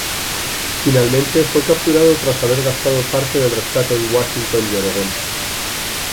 Finalmente fue capturado tras haber gastado parte del rescate en Washington y Oregón.